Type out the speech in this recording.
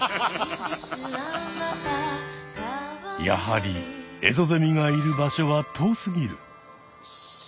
やはりエゾゼミがいる場所は遠すぎる。